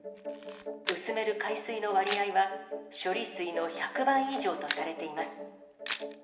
薄める海水の割合は、処理水の１００倍以上とされています。